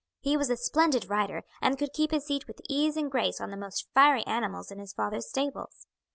He was a splendid rider, and could keep his seat with ease and grace on the most fiery animals in his father's stables.